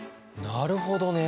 なるほどね。